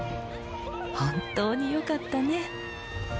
本当によかったね。